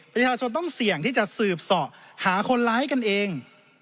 ประชาชนต้องเสี่ยงที่จะสืบเสาะหาคนร้ายกันเอง